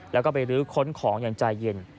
แล้วก็ไปรื้อค้นของอย่างใจเย็น